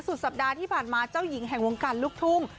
สุดสัปดาห์ที่ผ่านมาเจ้าหญิงแห่งวงการลูกทุ่ง